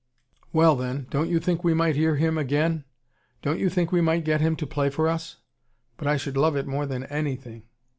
"Well, then? Don't you think we might hear him again? Don't you think we might get him to play for us? But I should love it more than anything."